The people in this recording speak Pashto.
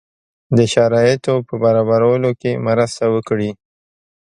د شرایطو په برابرولو کې مرسته وکړي.